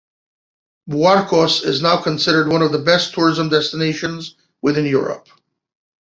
Buarcos is now considered one of the best tourism destinations within Europe.